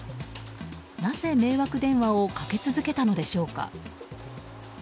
なぜ、迷惑電話をかけ続けたのでしょうか。